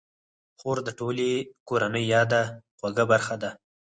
خور د ټولې کورنۍ یاده خوږه برخه ده.